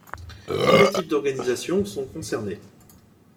Tous les types d’organisations sont concernés.